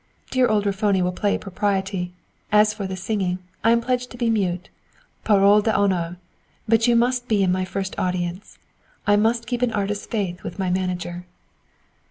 Dear old Raffoni will play propriety. As for the singing, I am pledged to be mute, parôle d'honneur. But you must be in my first audience. I must keep an artist's faith with my manager."